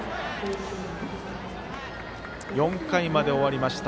４回まで終わりました。